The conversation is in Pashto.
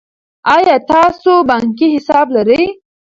آیا تاسو بانکي حساب لرئ.